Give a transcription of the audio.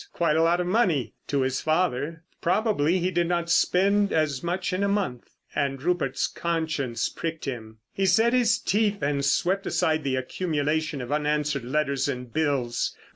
Quite a lot of money—to his father; probably he did not spend as much in a month. And Rupert's conscience pricked him. He set his teeth and swept aside the accumulation of unanswered letters and bills.